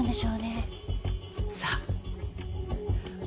さあ？